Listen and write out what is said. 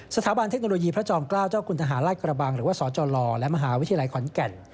เทคโนโลยีพระจอมเกล้าเจ้าคุณทหารราชกระบังหรือว่าสจและมหาวิทยาลัยขอนแก่น